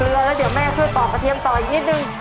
ระวังมือนะจ๊ะ